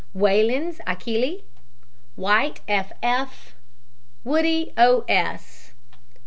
WAILENS, ACHILLE. WHITE, F. F. WOODY, O. S.